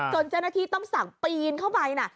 เจ้าหน้าที่ต้องสั่งปีนเข้าไปนะ